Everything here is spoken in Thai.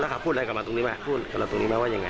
แล้วเขาพูดอะไรกลับมาตรงนี้มั้ยพูดกลับตรงนี้มั้ยว่าอย่างไร